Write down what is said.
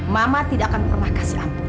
mama tidak akan pernah kasih ampun